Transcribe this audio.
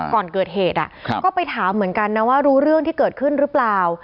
ก่อนเกิดเหตุก็ไปถามเหมือนกันนะว่ารู้เรื่องที่เกิดขึ้นหรือเปล่า